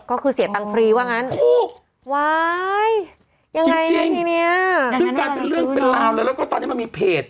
ก็คือเสียตังค์ฟรีว่างั้นถูกว้ายยังไงซึ่งกลายเป็นเรื่องเป็นราวเลยแล้วก็ตอนนี้มันมีเพจ